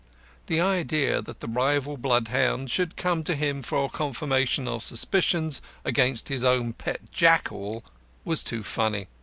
The idea that the rival bloodhound should come to him for confirmation of suspicions against his own pet jackal was too funny.